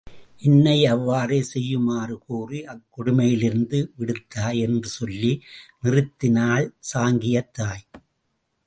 என்னை அவ்வாறே செய்யுமாறு கூறி அக் கொடுமையிலிருந்து விடுத்தாய் என்று சொல்லி நிறுத்தினாள் சாங்கியத் தாய்.